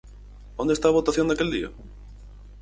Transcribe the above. ¿Onde está a votación daquel día?